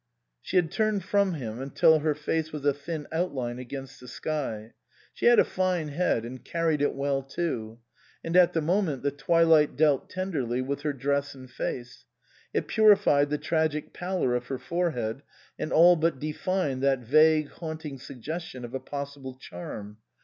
She had turned from him till her face was a thin outline against the sky. She had a fine head, and carried it well, too ; and at the moment the twilight dealt tenderly with her dress and face ; it purified the tragic pallor of her fore head and all but defined that vague, haunting suggestion of a possible charm.